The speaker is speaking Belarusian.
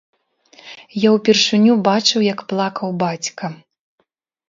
Я ўпершыню бачыў, як плакаў бацька.